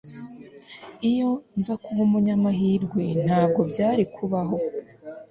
Iyo nza kuba umunyamahirwe ntabwo byari kubaho